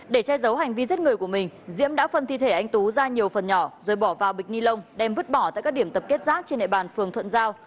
để che giấu hành vi giết người của mình diễm đã phân thi thể anh tú ra nhiều phần nhỏ rồi bỏ vào bịch ni lông đem vứt bỏ tại các điểm tập kết rác trên nệ bàn phường thuận giao